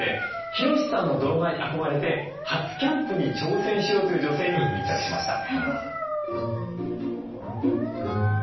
ヒロシさんの動画に憧れて初キャンプに挑戦しようという女性に密着しました。